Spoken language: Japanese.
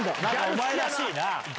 お前らしいな！